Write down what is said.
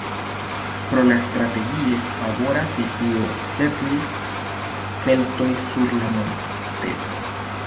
Pro la strategie favora situo setlis keltoj sur la monteto.